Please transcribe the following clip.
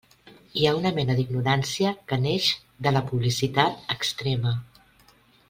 Hi ha una mena d'ignorància que neix de la publicitat extrema.